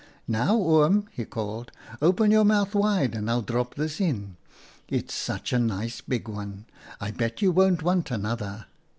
" l Now Oom,' he called, ■ open your mouth wide and I'll drop this in. It's such a nice big one, I bet you won't w T ant another.'